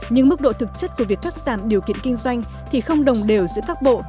nhưng mức độ thực chất của việc cắt giảm điều kiện kinh doanh thì không đồng đều giữa các bộ